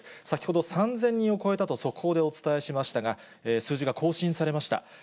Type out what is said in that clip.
先ほど、３０００人を超えたと速報でお伝えしましたが、数字が更新されました。